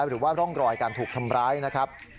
หรือว่าร่องรอยการถูกทำร้ายนะครับ